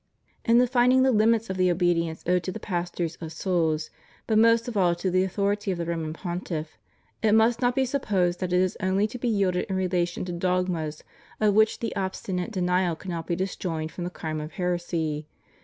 ^ In defining the limits of the obedience owed to the pastors of souls, but most of all to the authority of the Roman Pontiff, it must not be supposed that it is only to be yielded in relation to dogmas of which the obstinate denial cannot be disjoined from the crime of heresy.